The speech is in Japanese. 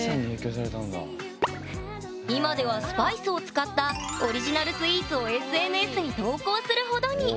今ではスパイスを使ったオリジナルスイーツをＳＮＳに投稿するほどに！